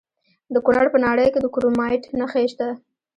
د کونړ په ناړۍ کې د کرومایټ نښې شته.